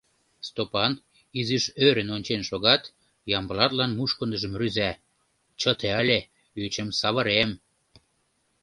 Стопан, изиш ӧрын ончен шогат, Ямблатлан мушкындыжым рӱза: «Чыте але, ӱчым савырем!»